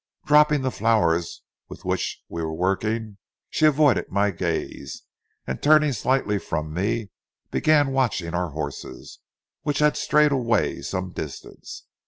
Dropping the flowers with which we were working, she avoided my gaze, and, turning slightly from me, began watching our horses, which had strayed away some distance.